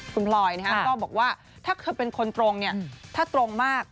คุณพลอยก็บอกว่าถ้าเธอเป็นคนตรงถ้าตรงมาก